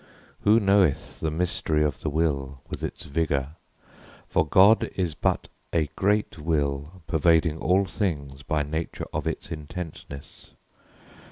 Who knoweth the mystery of the will, with its vigor? For God is but a great will pervading all things by nature of its intentness.